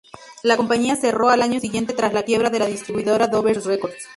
La compañía cerró al año siguiente tras la quiebra de la distribuidora Dover Records.